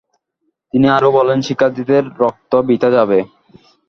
তিনি আরও বলেন, শিক্ষার্থীদের রক্ত বৃথা যাবে?